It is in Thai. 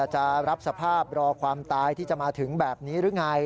จะรับสภาพรอความตายที่จะมาถึงแบบนี้หรือไง